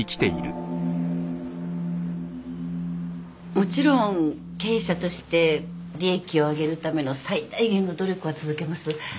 もちろん経営者として利益を上げるための最大限の努力は続けます。